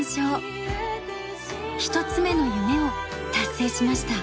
１つ目の夢を達成しました。